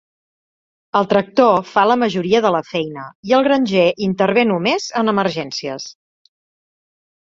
El tractor fa la majoria de la feina i el granger intervé només en emergències.